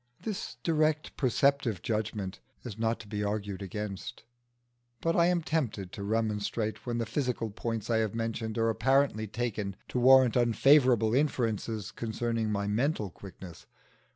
This direct perceptive judgment is not to be argued against. But I am tempted to remonstrate when the physical points I have mentioned are apparently taken to warrant unfavourable inferences concerning my mental quickness.